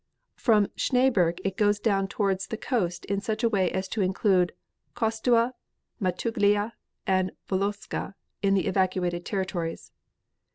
From Schneeberg it goes down towards the coast in such a way as to include Castua, Mattuglia and Volosca in the evacuated territories.